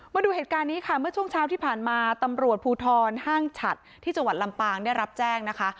มาดูเหตุการณ์นี้ค่ะเมื่อช่วงเช้าที่ผ่านมาตำรวจภูทรห้างฉัดที่จังหวัดลำปางได้รับแจ้งนะคะ